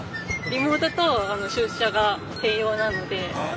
リモートと出社が併用なので。